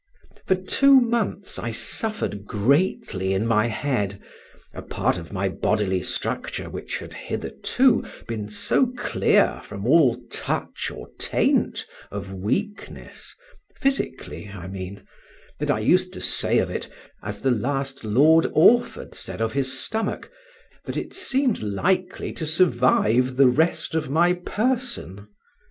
For two months I suffered greatly in my head, a part of my bodily structure which had hitherto been so clear from all touch or taint of weakness (physically I mean) that I used to say of it, as the last Lord Orford said of his stomach, that it seemed likely to survive the rest of my person.